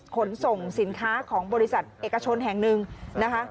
ขนส่งสินค้าของบริษัทเอกชนแห่งหนึ่งนะคะ